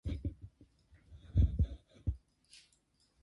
Young, his wife and their two children maintained a coffee plantation in Hawaii.